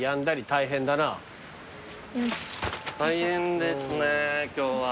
大変ですね今日は。